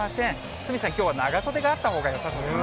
鷲見さん、きょうは長袖があったほうがよさそうですね。